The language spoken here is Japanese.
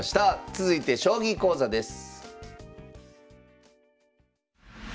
続いて将棋講座です。